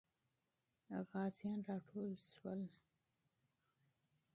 غازیان راټول سول.